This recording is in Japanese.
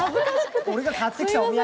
俺が買ってきたお土産。